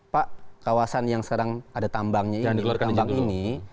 pak kawasan yang sekarang ada tambangnya ini